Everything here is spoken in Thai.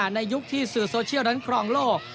ในยุคที่สื่อโซเชียลนั้นครองโลก